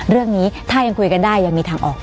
เรื่องนี้ถ้ายังคุยกันได้ยังมีทางออก